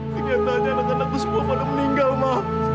kenyataannya anak anakku semua pada meninggal ma